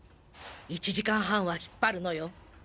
１時間半は引っぱるのよ。